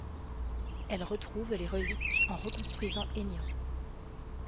Elle retrouve les reliques en reconstruisant Aignan.